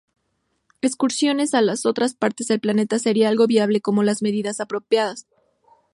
Excursiones a las otras partes del planeta sería algo viable con las medidas apropiadas.